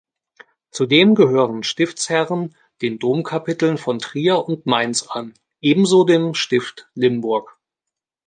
Zudem gehörten Stiftsherren den Domkapiteln von Trier und Mainz an, ebenso dem Stift Limburg.